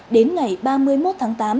đến ngày ba mươi một tháng tám